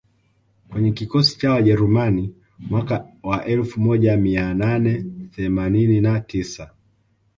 kwenye kikosi cha Wajerumani mwaka wa elfu moja mia nane themanini na tisa